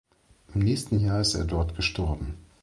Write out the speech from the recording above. Im nächsten Jahr ist er dort gestorben.